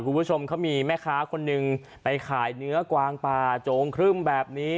คุณผู้ชมเขามีแม่ค้าคนหนึ่งไปขายเนื้อกวางป่าโจงครึ่มแบบนี้